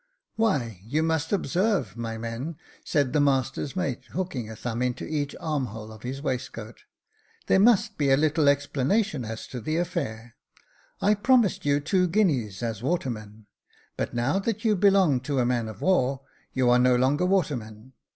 " Why, you must observe, my men," said the master's mate, hooking a thumb into each armhole of his waistcoat, " there must be a little explanation as to that affair. I promised you two guineas as watermen ; but now that you belong to a man of war, you are no longer watermen.